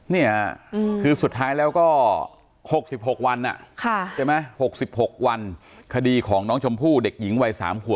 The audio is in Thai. เนี่ยคือสุดท้ายแล้วก็๖๖วันใช่ไหม๖๖วันคดีของน้องชมพู่เด็กหญิงวัย๓ขวบ